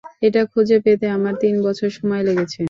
এটা খুঁজে পেতে আমার তিন বছর সময় লেগেছে।